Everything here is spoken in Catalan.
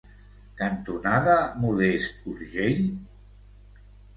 cantonada Modest Urgell?